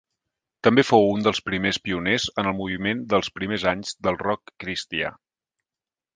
També fou un dels primers pioners en el moviment dels primers anys del rock cristià.